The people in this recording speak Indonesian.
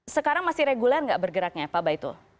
sekarang masih reguler nggak bergeraknya pak baitul